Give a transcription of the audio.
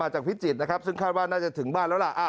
พิจิตรนะครับซึ่งคาดว่าน่าจะถึงบ้านแล้วล่ะ